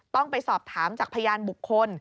ต้องไปสอบถามจากพยานบุคคล